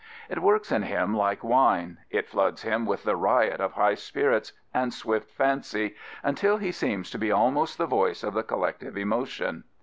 It works in him like wine. It floods him with the riot of high spirits and swift fancy, until he seems to be almost the voice of the collective emotion.